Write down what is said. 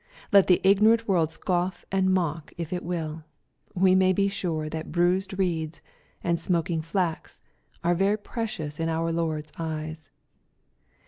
Let the ignorant world scoff and mock, if it will. We may be sure that " bruised reeds" and " smoking flax" ar« very precious in our Lord's eyes.